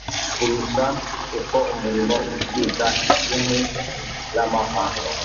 kurusha uko umuriro utwika inkwi z’amahwa